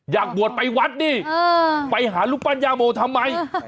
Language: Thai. อยากบวชไปวัดนี่ไหลหาลูกปัญญาโหมทำไม